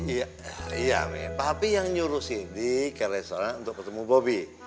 iya iya men papi yang nyuruh cindy ke restoran untuk ketemu bobby